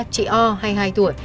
chị o hai mươi hai tuổi